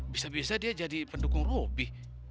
bisa bisa dia jadi pendukung rubi